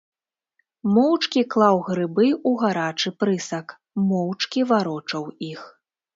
Моўчкі клаў грыбы ў гарачы прысак, моўчкі варочаў іх.